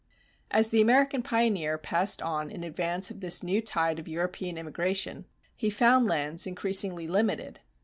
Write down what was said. As the American pioneer passed on in advance of this new tide of European immigration, he found lands increasingly limited.